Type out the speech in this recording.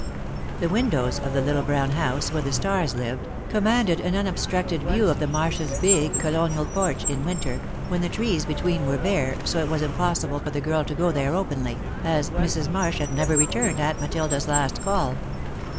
The windows of the little brown house, where the Starrs lived, commanded an unobstructed view of the Marshs' big Colonial porch, in Winter, when the trees between were bare, so it was impossible for the girl to go there, openly, as Mrs. Marsh had never returned Aunt Matilda's last call.